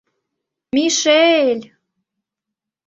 — Мише-эль!